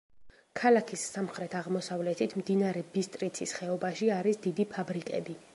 ქალაქის სამხრეთ-აღმოსავლეთით მდინარე ბისტრიცის ხეობაში არის დიდი ფაბრიკები.